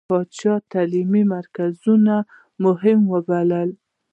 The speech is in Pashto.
پاچا تعليمي مرکزونه مهم ووبلل.